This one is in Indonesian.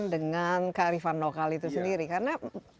dengan kearifan lokal itu sendiri karena